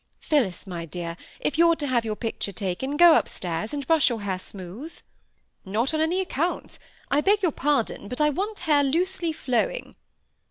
Phillis, my dear, if you're to have your picture taken, go up stairs, and brush your hair smooth." "Not on any account. I beg your pardon, but I want hair loosely flowing."